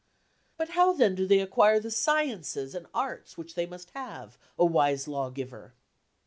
£< 4 But how then do they acquire the sciences and arts which they must have, o wise lawgiver